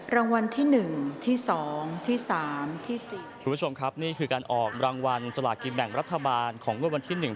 รางวัลที่หนึ่งที่สองที่สามที่สี่คุณผู้ชมครับนี่คือการออกรางวัลสลากินแบ่งรัฐบาลของงวดวันที่หนึ่ง